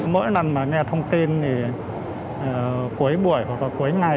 mỗi lần mà nghe thông tin thì cuối buổi hoặc là cuối ngày